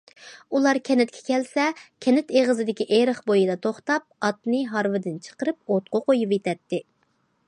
ئۇلار كەنتكە كەلسە كەنت ئېغىزىدىكى ئېرىق بويىدا توختاپ ئاتنى ھارۋىدىن چىقىرىپ ئوتقا قويۇۋېتەتتى.